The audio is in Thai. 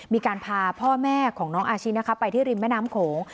มีการพาพ่อแม่ของน้องอาชินะคะไปที่ริมแม่น้ำโขง